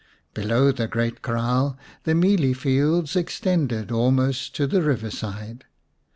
Below the great kraal the mealie fields extended almost to the river side.